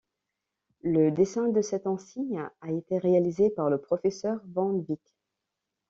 Le dessin de cet insigne a été réalisé par le professeur von Weech.